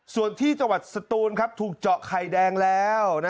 ส่วนที่จังหวัดสตูนครับถูกเจาะไข่แดงแล้ว